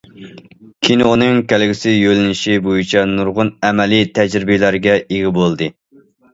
كىنونىڭ كەلگۈسى يۆنىلىشى بويىچە نۇرغۇن ئەمەلىي تەجرىبىلەرگە ئىگە بولدى.